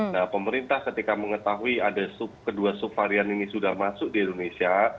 nah pemerintah ketika mengetahui ada kedua subvarian ini sudah masuk di indonesia